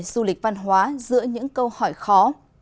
du lịch văn hóa giữa những câu hỏi khó